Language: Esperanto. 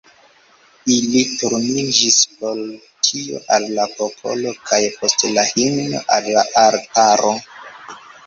Ili turniĝis por tio al la popolo, kaj post la himno al la altaro.